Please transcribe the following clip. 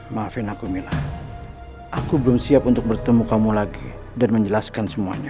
maafin aku mila aku belum siap untuk bertemu kamu lagi dan menjelaskan semuanya